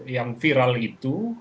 yang viral itu